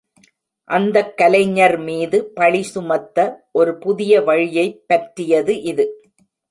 அந்தக் கலைஞர் மீது பழிசுமத்த ஒரு புதிய வழியைப் பற்றியது இது.